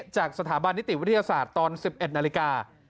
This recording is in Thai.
จากสถาบันนิติวิทยาศาสตร์ตอน๑๑นาฬิกา